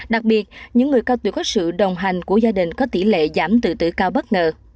đặc biệt những người cao tuổi có sự đồng hành của gia đình có tỷ lệ giảm tự tử cao bất ngờ